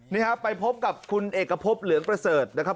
นี่ครับไปพบกับคุณเอกพบเหลืองประเสริฐนะครับ